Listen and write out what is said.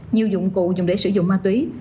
nhiều dụng cụ dùng để sử dụng ma túy